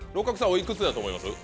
おいくつやと思います？